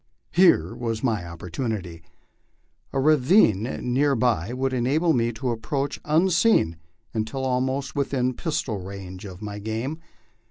Here was my opportunity. A ravine near by would enable me to approach unseen until almost within pistol range of my game.